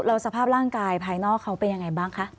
แล้วสภาพร่างกายภายนอกเขาเป็นยังไงบ้างคะ